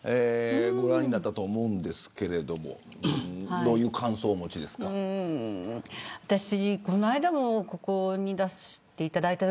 ご覧になったと思いますけどどういう感想をお持ちですか。